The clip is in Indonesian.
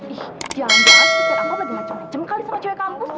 ih jangan jelas supir angkot lagi macem macem kali sama cowok kampus